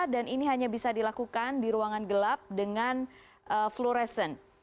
dan ini hanya bisa dilakukan di ruangan gelap dengan fluorescent